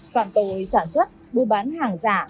phạm tội sản xuất bu bán hàng giả